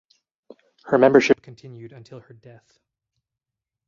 Her membership continued until her death.